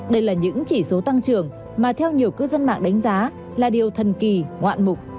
đây là những chỉ số tăng trưởng mà theo nhiều cư dân mạng đánh giá là điều thần kỳ ngoạn mục